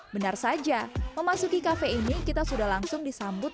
benar saja memasuki kafe ini kita sudah langsung disambut